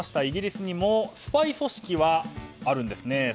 イギリスにもスパイ組織はあるんですね。